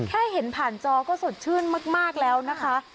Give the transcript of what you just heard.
แค่เห็นผ่านจอก็สดชื่นมากแล้วนะคะ